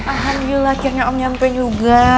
alhamdulillah akhirnya om nyampe juga